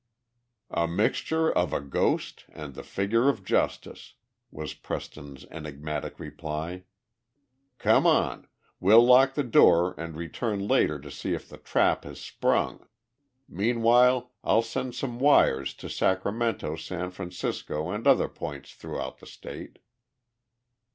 "A mixture of a ghost and the figure of Justice," was Preston's enigmatic reply. "Come on we'll lock the door and return later to see if the trap has sprung. Meanwhile, I'll send some wires to Sacramento, San Francisco, and other points throughout the state."